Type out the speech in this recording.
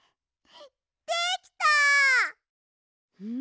できた！